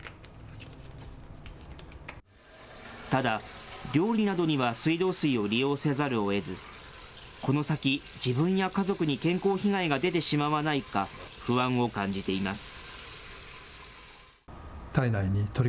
ただ、料理などには水道水を利用せざるをえず、この先、自分や家族に健康被害が出てしまわないか、不安を感じています。